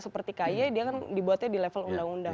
seperti kay dia kan dibuatnya di level undang undang